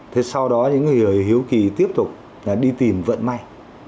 thế sau đó những người hiếu kỳ tiếp tục đi tìm vận may